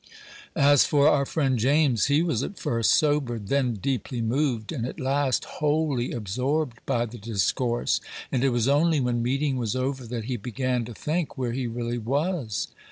As for our friend James, he was at first sobered, then deeply moved, and at last wholly absorbed by the discourse; and it was only when meeting was over that he began to think where he really was.